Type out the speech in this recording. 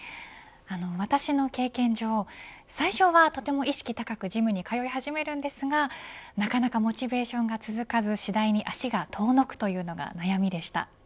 私の経験上最初はとても意識高くジムに通い始めるんですがなかなかモチベーションが続かず次第に足が遠のくというのが悩みでした。